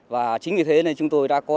và chính vì thế chúng tôi đã có